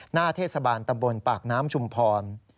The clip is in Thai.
หน้าเทศบาลตำบลปากน้ำชุมพร